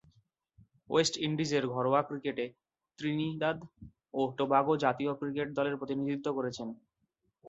West ইন্ডিজের ঘরোয়া ক্রিকেটে ত্রিনিদাদ ও টোবাগো জাতীয় ক্রিকেট দলের প্রতিনিধিত্ব করছেন।